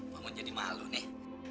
mau jadi malu nih